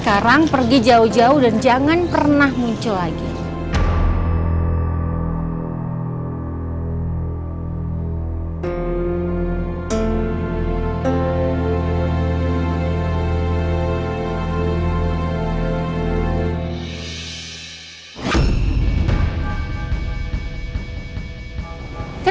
karena orangnya asiknya bias ya